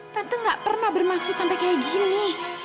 tete gak pernah bermaksud sampai kayak gini